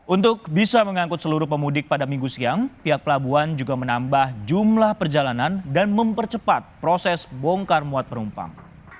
untuk bisa mengangkut seluruh pemudik pada minggu siang pihak pelabuhan juga menambah jumlah perjalanan dan mempercepat proses bongkar muat penumpang